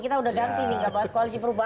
kita udah ganti nih